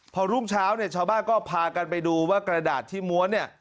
พอรุ่งเช้าชาวบ้านก็พากันไปดูว่ากระดาษที่ม้วน